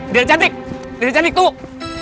dede cantik dede cantik tunggu